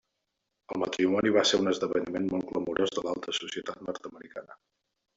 El matrimoni va ser un esdeveniment molt glamurós de l'alta societat nord-americana.